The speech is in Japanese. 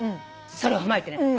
それを踏まえてね。